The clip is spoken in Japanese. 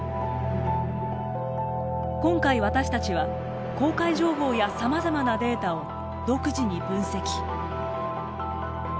今回私たちは公開情報やさまざまなデータを独自に分析。